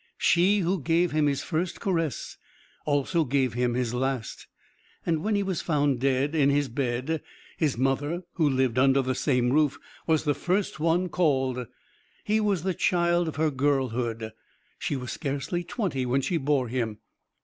She who gave him his first caress also gave him his last; and when he was found dead in his bed, his mother, who lived under the same roof, was the first one called. He was the child of her girlhood she was scarcely twenty when she bore him.